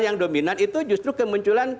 yang dominan itu justru kemunculan